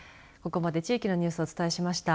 ここまで地域のニュースをお伝えしました。